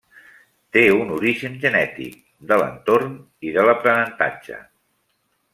Té un origen genètic, de l'entorn i de l'aprenentatge.